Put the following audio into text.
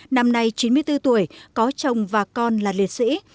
năm nay chín mươi bốn tuổi có chồng và con là liệt sĩ